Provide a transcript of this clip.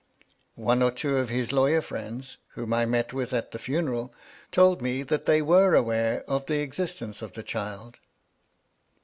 One or two of his lawyer friends, whom I met with at the funeral, told me they were aware of the existence of the child."